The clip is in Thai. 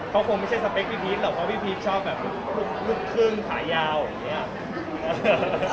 เขาคงไม่ใช่สเปคพี่พีชหรอกเพราะพี่พีชชอบแบบลูกครึ่งขายาวอย่างนี้